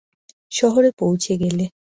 শহরে পৌছে গেলে।